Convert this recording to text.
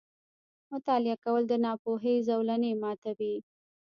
• مطالعه کول، د ناپوهۍ زولنې ماتوي.